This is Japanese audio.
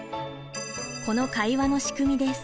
この会話の仕組みです。